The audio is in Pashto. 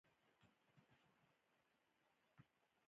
نفریت یوه سخته ناروغي ده چې پښتورګو ته ډېر سخت زیان رسوي.